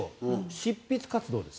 執筆活動です。